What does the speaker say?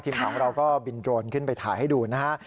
ของเราก็บินโดรนขึ้นไปถ่ายให้ดูนะฮะ